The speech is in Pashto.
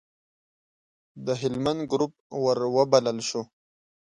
د هلمند ګروپ وروبلل شو.